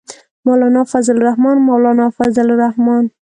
مولانا فضل الرحمن، مولانا فضل الرحمن.